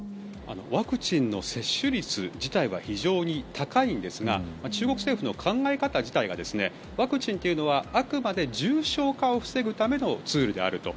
ワクチンの接種率自体は非常に高いんですが中国政府の考え方自体がワクチンというのはあくまで重症化を防ぐためのツールであると。